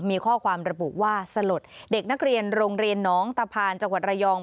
มีข้อความระบุว่าสลดเด็กนักเรียนโรงเรียนน้องตะพานจังหวัดระยอง